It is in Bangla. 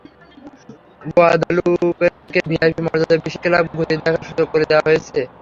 গুয়াদালুপেকে ভিআইপি মর্যাদায় বিশেষ ক্লাব ঘুরে দেখার সুযোগ করে দেওয়া হয়েছে।